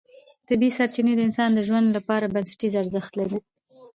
طبیعي سرچینې د انسان د ژوند لپاره بنسټیز ارزښت لري